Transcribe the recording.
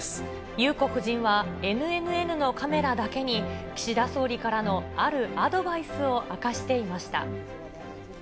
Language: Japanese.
裕子夫人は、ＮＮＮのカメラだけに、岸田総理からのあるアドバイスを明かしていました。